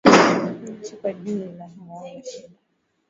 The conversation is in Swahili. anchi kwa jumla hawana shida